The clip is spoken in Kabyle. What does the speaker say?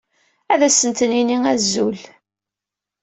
As-d ad asent-nini azul.